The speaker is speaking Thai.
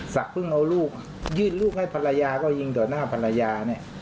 ศักดิ์เพิ่งเอาลูกยื่นลูกให้ภรรยาก็ยิงโดดหน้าภรรยา